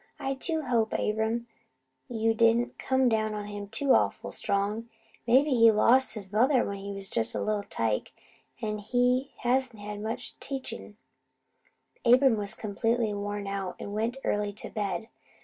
I do hope, Abram, you didn't come down on him too awful strong. Maybe he lost his mother when he was jest a little tyke, an' he hasn't had much teachin'." Abram was completely worn out, and went early to bed.